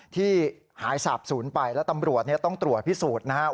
ที่หายสาบศูนย์ไปแล้วตำรวจต้องตรวจพิสูจน์นะครับ